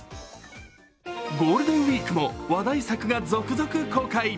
ゴールデンウイークも話題作が続々公開。